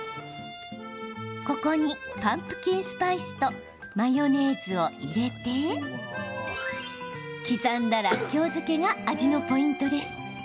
ここに、パンプキンスパイスとマヨネーズを入れて刻んだ、らっきょう漬けが味のポイントです。